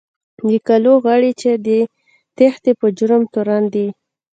د کلو غړي چې د تېښتې په جرم تورن دي.